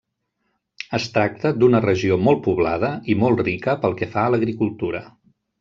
Es tracta d'una regió molt poblada i molt rica pel que fa a l'agricultura.